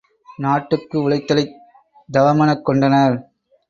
நாட்டுக்கு உழைத்தலைத் தவமெனக் கொண்டனர்.